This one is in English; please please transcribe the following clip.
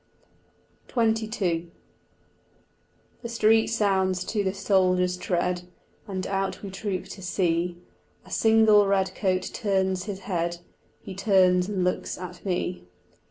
(1) Pronounced Breedon. XXII The street sounds to the soldiers' tread, And out we troop to see: A single redcoat turns his head, He turns and looks at me.